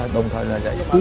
đồng thời là giải cứu